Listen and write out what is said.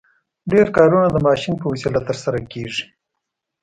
ډېر کارونه د ماشین په وسیله ترسره کیږي.